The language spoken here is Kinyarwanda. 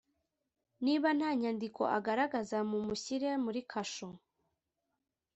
Niba ntanyandiko agaragaza mu mushyire muri kasho